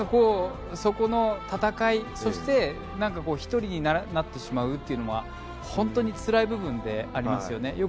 そこの戦いそして１人になってしまうという本当につらい部分でありますよね。